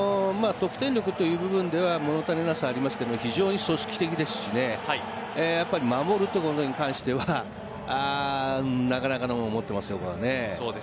得点力という部分では物足りなさ、ありますが非常に組織的ですし守るということに対してはなかなかのもの持ってますよ。